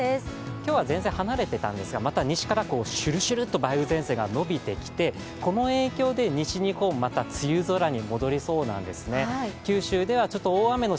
今日は前線離れてたんですが、また、西から、シュルシュルっと、梅雨前線が伸びてきてこの影響で西日本、また梅雨空に戻りそうなんですね。